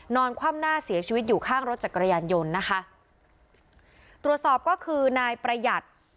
คว่ำหน้าเสียชีวิตอยู่ข้างรถจักรยานยนต์นะคะตรวจสอบก็คือนายประหยัด